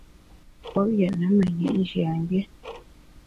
Kouop yètne menyit njiamgbié.